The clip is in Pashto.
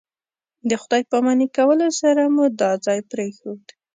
د خدای پاماني کولو سره مو دا ځای پرېښود.